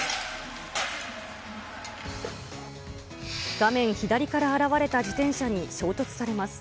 画面左から現れた自転車に衝突されます。